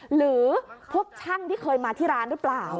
หรือพวกช่างที่เคยมาที่ร้านหรือเปล่า